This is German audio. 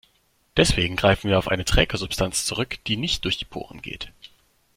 Deswegen greifen wir auf eine Trägersubstanz zurück, die nicht durch die Poren geht.